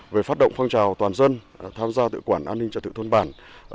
về phát động phong trào toàn dân